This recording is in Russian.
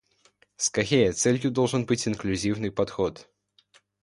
Скорее, целью должен быть инклюзивный подход.